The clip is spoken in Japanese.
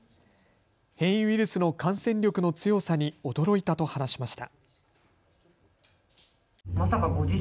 変異ウイルスの感染力の強さに驚いたと話しました。